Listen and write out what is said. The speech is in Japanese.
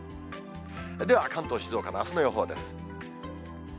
では、関東、静岡のあすの予報です。